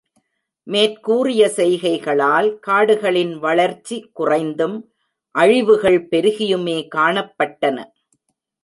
மேற்கூறிய செய்கைகளால், காடுகளின் வளர்ச்சி குறைந்தும் அழிவுகள் பெருகியுமே காணப்பட்டன.